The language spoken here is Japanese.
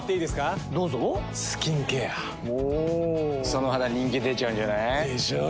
その肌人気出ちゃうんじゃない？でしょう。